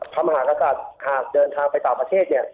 พรรภาคกระทัดหากเดินทางไปต่อประเทศ